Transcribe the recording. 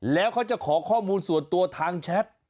แล้วเขาจะขอข้อมูลส่วนตัวทางแชท